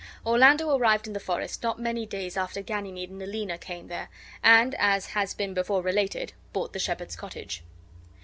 Orlando arrived in the forest not many days after Ganymede and Aliena came there and (as has been before related) bought the shepherd's cottage.